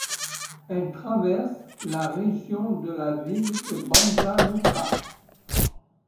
Elle traverse la région de la Ville de Banja Luka.